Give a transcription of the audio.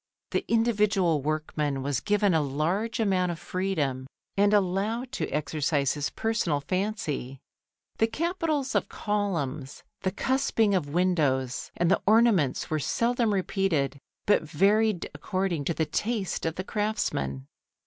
The individual workman was given a large amount of freedom and allowed to exercise his personal fancy. The capitals of columns, the cusping of windows, and the ornaments were seldom repeated, but varied according to the taste of the craftsman.